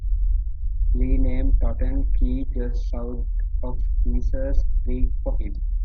Lee named Totten Key just south of Caesars Creek for him.